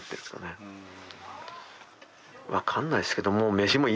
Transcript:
分かんないっすけど。